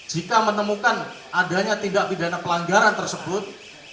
jika menemukan adanya tindak pidana pelanggaran tersebut